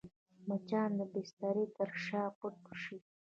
مچان د بستر تر شا پټ شي